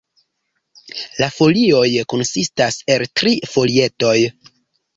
La folioj konsistas el tri folietoj.